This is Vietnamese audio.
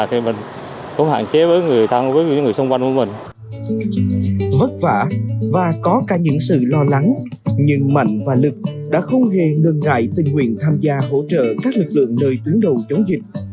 không hề ngừng ngại tình nguyện tham gia hỗ trợ các lực lượng nơi tướng đầu chống dịch